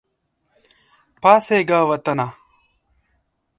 پاڅیږه وطنه !